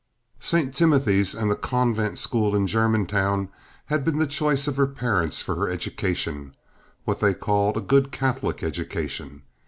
St. Timothy's and the convent school in Germantown had been the choice of her parents for her education—what they called a good Catholic education.